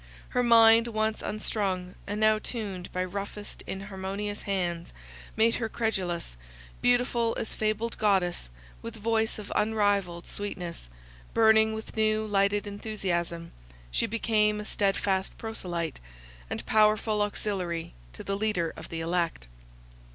Her mind, once unstrung, and now tuned by roughest inharmonious hands, made her credulous: beautiful as fabled goddess, with voice of unrivalled sweetness, burning with new lighted enthusiasm, she became a stedfast proselyte, and powerful auxiliary to the leader of the elect.